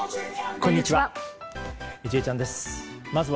こんにちは。